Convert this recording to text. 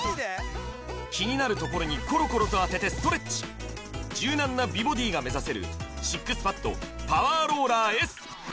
気になるところにコロコロと当ててストレッチ柔軟な美ボディーが目指せるＳＩＸＰＡＤパワーローラーＳ